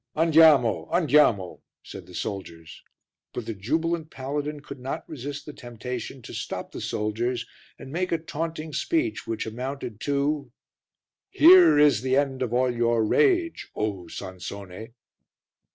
"Andiamo, andiamo," said the soldiers, but the jubilant paladin could not resist the temptation to stop the soldiers and make a taunting speech which amounted to "Here is the end of all your rage, O Sansone!"